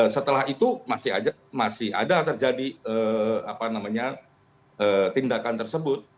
setelah itu masih ada terjadi tindakan tersebut